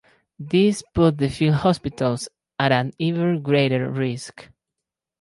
This put the field hospitals at an ever greater risk.